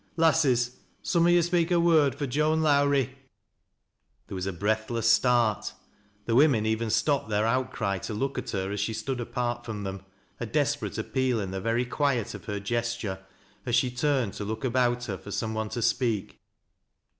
Lasses, some on yo' speak a word fui' Joaa Lowrie !" There was a breathless start. The women even stopped their outcry to look at her as she stood apart from them, — a desperate appeal in the very quiet of her gesture aa she turned to look about her for some one to speak."